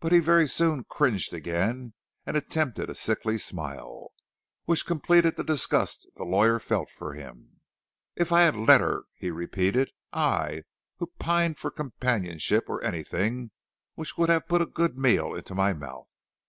But he very soon cringed again and attempted a sickly smile, which completed the disgust the young lawyer felt for him. "If I had let her," he repeated; "I, who pined for companionship or anything which would have put a good meal into my mouth!